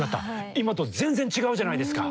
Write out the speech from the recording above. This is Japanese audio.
今と全然違うじゃないですか！